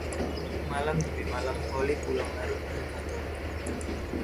Malam demi malam Holly pulang larut dari kantor.